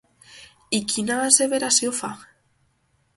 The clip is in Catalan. I quina asseveració fa?